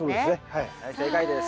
はい正解です。